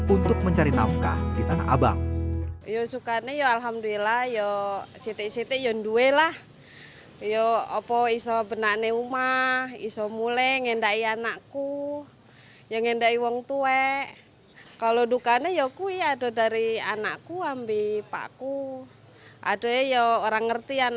untuk mencari nafkah di tanah abang